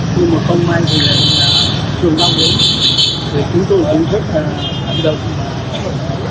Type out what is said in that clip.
nhưng mà không mang về là trường tâm đến